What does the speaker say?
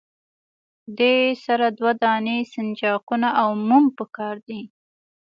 دې سره دوه دانې سنجاقونه او موم پکار دي.